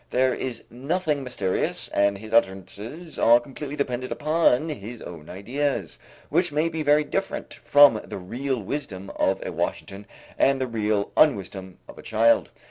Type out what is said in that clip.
There is nothing mysterious and his utterances are completely dependent upon his own ideas, which may be very different from the real wisdom of a Washington and the real unwisdom of a child.